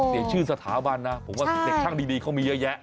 เสียชื่อสถาบันนะผมว่าเด็กช่างดีเขามีเยอะแยะ